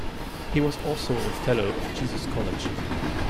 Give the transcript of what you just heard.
He was also a Fellow of Jesus College.